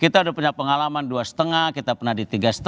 kita sudah punya pengalaman dua lima kita pernah di tiga lima